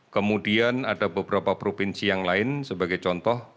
kemudian ada beberapa provinsi yang lain sebagai contoh